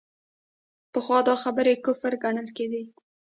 پخوا دا خبرې کفر ګڼل کېدې.